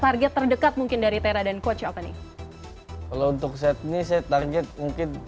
target terdekat mungkin dari tera dan coach apa nih kalau untuk saat ini saya target mungkin